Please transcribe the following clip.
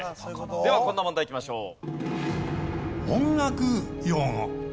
ではこんな問題いきましょう。